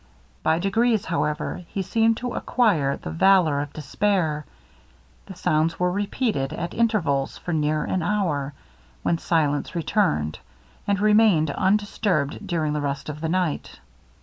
By degrees, however, he seemed to acquire the valour of despair. The sounds were repeated, at intervals, for near an hour, when silence returned, and remained undisturbed during the rest of the night.